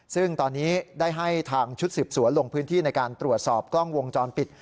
ซึ่งตอนนี้ได้ให้ทางชุดสืบสวนลงพื้นที่ในการตรวจสอบกล้องวงจรปิด